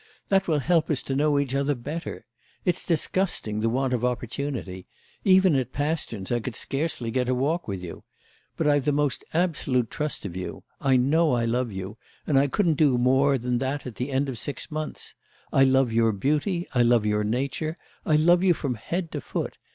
"That will help us to know each other better. It's disgusting, the want of opportunity; even at Pasterns I could scarcely get a walk with you. But I've the most absolute trust of you. I know I love you, and I couldn't do more than that at the end of six months. I love your beauty, I love your nature, I love you from head to foot.